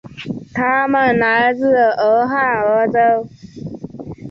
他们来自俄亥俄州。